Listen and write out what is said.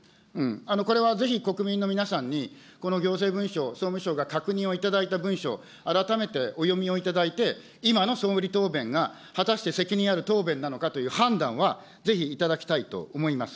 これはぜひ国民の皆さんに、この行政文書、総務省が確認をいただいた文書、改めてお読みをいただいて、今の総理答弁が果たして責任ある答弁なのかという判断は、ぜひいただきたいと思います。